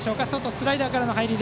スライダーからの入り。